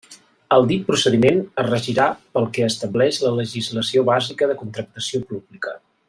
El dit procediment es regirà pel que establix la legislació bàsica de contractació pública.